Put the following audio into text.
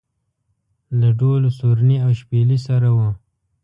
له ډول و سورني او شپېلۍ سره و.